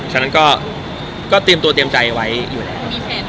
ฉะนั้นก็เตรียมตัวเตรียมใจไว้อยู่แล้ว